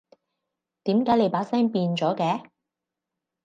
點解你把聲變咗嘅？